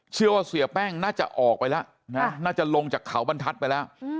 เชื่อว่าเสียแป้งน่าจะออกไปแล้วนะน่าจะลงจากเขาบรรทัศน์ไปแล้ว